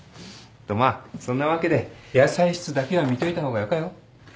とまあそんなわけで野菜室だけは見といた方がよかよ。